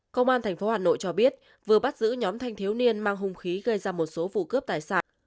công an tp hà nội cho biết vừa bắt giữ nhóm thanh thiếu niên mang hung khí gây ra một số vụ cướp tài sản